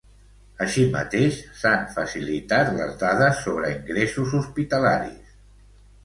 Així mateix, s'han facilitat les dades sobre ingressos hospitalaris.